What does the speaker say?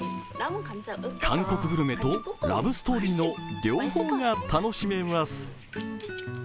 韓国グルメとラブストーリーの両方が楽しめます。